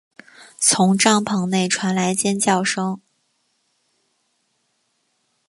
从帐篷内传来尖叫声